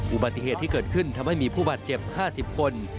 อุบัติเหตุที่เกิดขึ้นทำให้มีผู้บาดเจ็บ๕๐คน